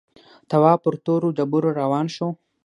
تواب پر تورو ډبرو روان شو.